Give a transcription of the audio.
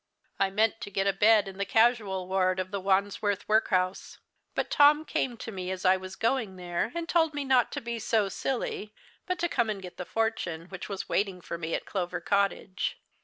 "I meant to get a bed in the casual ward of the Wandsworth Workhouse. But Tom came to me as I was going there, and told me not to be so silly, but to come and get the fortune which was waiting for me at Clover Cottage.